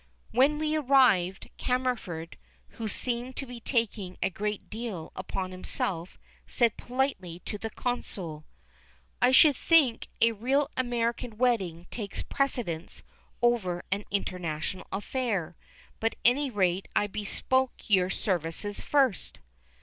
When we arrived, Cammerford, who seemed to be taking a great deal upon himself, said politely to the Consul: "I should think a real American wedding takes precedence over an international affair, but at any rate I bespoke your services first."